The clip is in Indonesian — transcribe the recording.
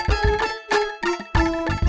jangan sampai sampai